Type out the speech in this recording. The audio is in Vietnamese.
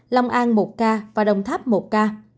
long an một ca và đồng tháp một ca